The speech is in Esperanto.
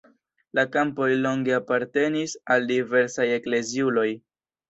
La kampoj longe apartenis al diversaj ekleziuloj.